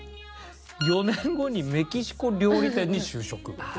４年後にメキシコ料理店に就職。